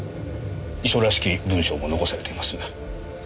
遺書らしき文書も残されています。